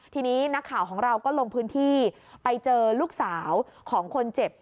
ทีนี้นักข่าวของเราก็ลงพื้นที่ไปเจอลูกสาวของคนเจ็บ